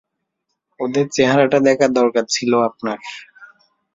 ওদের চেহারাটা দেখা দরকার ছিল আপনার।